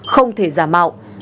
không thể giả mạo